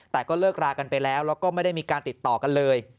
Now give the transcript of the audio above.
แต่ก็เลิกรากันไปแล้วแล้วก็ไม่ได้มีการติดต่อกันเลย